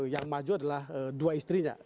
yang maju adalah dua istrinya